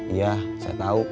iya saya tau